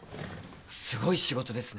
すごい仕事ですね